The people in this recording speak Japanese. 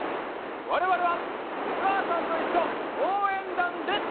われわれは「おかあさんといっしょおうえんだん」です！